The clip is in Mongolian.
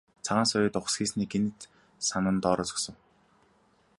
Цагаан соёот ухасхийснээ гэнэт санан доороо зогсов.